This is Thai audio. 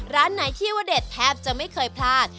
ร้านไหนที่ว่าเด็ดแทบจะไม่เคยพลาด